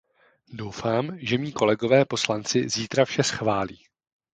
Doufám, že mí kolegové poslanci zítra vše schválí.